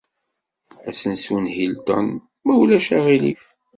Asensu n Hilton, ma ulac aɣilif.